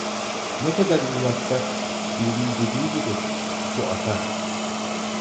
Ne kadar uğraşsak -birinin dediği gibi- su akar…